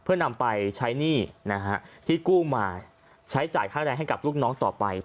เพื่อนำไปใช้หนี้ที่กู้มาใช้จ่ายค่าแรงให้กับลูกน้องต่อไป